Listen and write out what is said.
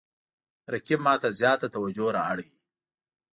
رقیب ما ته زیاته توجه را اړوي